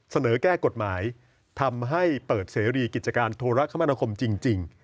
เสนอแก้กฎหมายทำให้เปิดเสรีกิจการโทรคมนาคมจริง